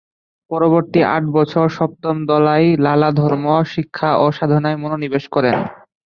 পরবর্তী আট বছর সপ্তম দলাই লামা ধর্ম শিক্ষা ও সাধনায় মনোনিবেশ করেন।